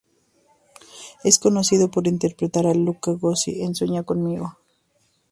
Es conocido por interpretar a Luca Grossi en "Sueña Conmigo".